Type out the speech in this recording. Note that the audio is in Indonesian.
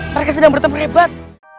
mereka sedang bertempur hebat